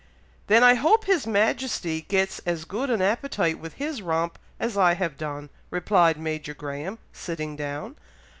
"Then I hope his majesty gets as good an appetite with his romp as I have done," replied Major Graham, sitting down.